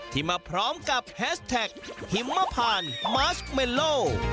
มาพร้อมกับแฮชแท็กหิมพานมาสเมโล